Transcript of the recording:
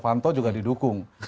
pak s w juga didukung